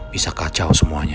bisa kacau semuanya